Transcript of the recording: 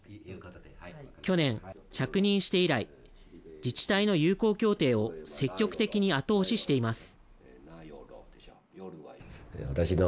去年、着任して以来自治体の友好協定を積極的に後押ししています。